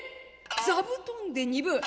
座布団で２分！？